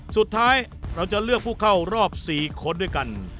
เราจะเลือกผู้เข้ารอบ๔คนด้วยกัน